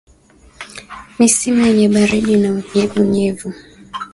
Misimu yenye baridi na unyevunyevu